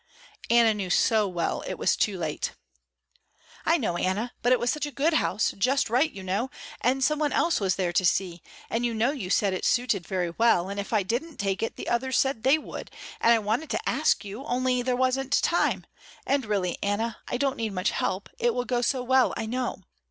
Anna knew so well it was too late. "I know, Anna, but it was such a good house, just right you know and someone else was there to see, and you know you said it suited very well, and if I didn't take it the others said they would, and I wanted to ask you only there wasn't time, and really Anna, I don't need much help, it will go so well I know.